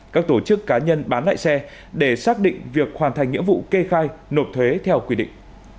các tổ chức cá nhân bán lại xe để xác định việc hoàn thành nghĩa vụ kê khai nộp thuế theo quy định